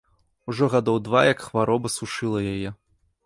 Ужо гадоў два як хвароба сушыла яе.